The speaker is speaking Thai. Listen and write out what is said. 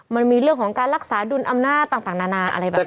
มันมีเรื่องของการรักษาดุลอำนาจต่างนานาอะไรแบบนี้